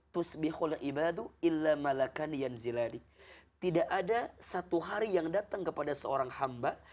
tidak ada satu hari yang datang kepada seorang hamba